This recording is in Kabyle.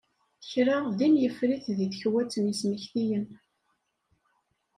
Kra din yeffer-it deg tekwat n yismektiyen.